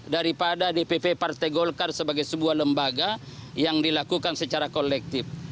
daripada dpp partai golkar sebagai sebuah lembaga yang dilakukan secara kolektif